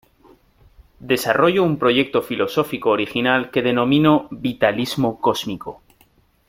Desarrollo un proyecto filosófico original que denomino Vitalismo Cósmico.